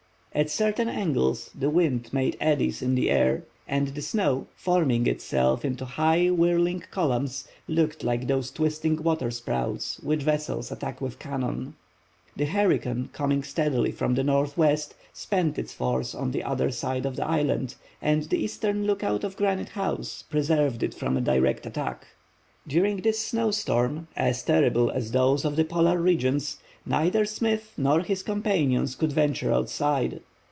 At certain angles the wind made eddies in the air, and the snow, forming itself into high whirling columns, looked like those twisting waterspouts which vessels attack with cannon. The hurricane, coming steadily from the northwest, spent its force on the other side of the island, and the eastern lookout of Granite House preserved it from a direct attack. During this snow storm, as terrible as those of the polar regions, neither Smith nor his companions could venture outside.